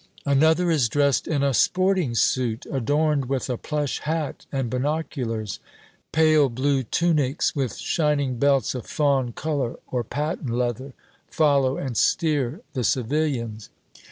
Another is dressed in a sporting suit, adorned with a plush hat and binoculars. Pale blue tunics, with shining belts of fawn color or patent leather, follow and steer the civilians.